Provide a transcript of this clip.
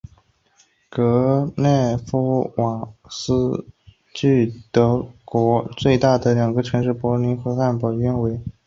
格赖夫斯瓦尔德距离德国最大的两个城市柏林和汉堡都约为。